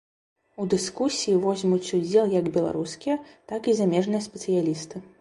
У дыскусіі возьмуць удзел як беларускія, так і замежныя спецыялісты.